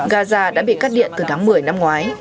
gaza đã bị cắt điện từ tháng một mươi năm ngoái